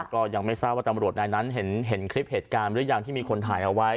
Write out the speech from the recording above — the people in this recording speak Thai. ก็ยังไม่ทราบว่าตำรวจนายนั้นเห็นคลิปเหตุการณ์หรือยังที่มีคนถ่ายเอาไว้